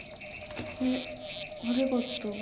えっありがとう。